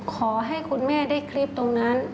ขอให้คุณแม่ได้คลิปตรงนั้น